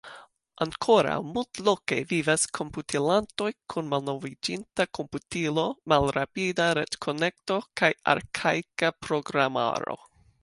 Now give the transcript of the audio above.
Ankoraŭ multloke vivas komputilantoj kun malnoviĝinta komputilo, malrapida retkonekto kaj arkaika programaro.